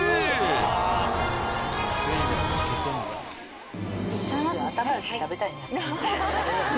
いっちゃいますね。